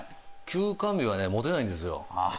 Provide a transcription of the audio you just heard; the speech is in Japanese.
休肝日はね持てないんですよ。